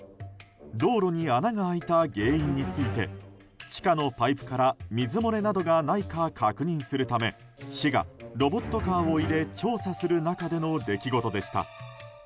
道路に穴が開いた原因について地下のパイプから水漏れなどがないか確認するため市がロボットカーを入れ調査する中での出来事でした。